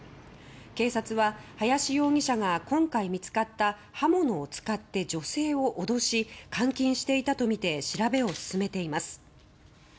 警察は、林容疑者が今回見つかった刃物を使って女性を脅し監禁していたとみて調べを進めています。